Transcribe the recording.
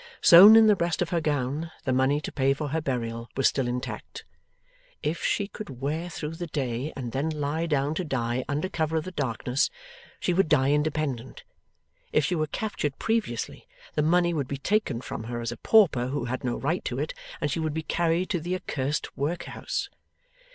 Sewn in the breast of her gown, the money to pay for her burial was still intact. If she could wear through the day, and then lie down to die under cover of the darkness, she would die independent. If she were captured previously, the money would be taken from her as a pauper who had no right to it, and she would be carried to the accursed workhouse.